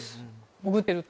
潜っていると。